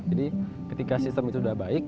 jadi ketika sistem itu sudah baik